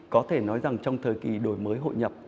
có thể nói rằng trong thời kỳ đổi mới hội nhập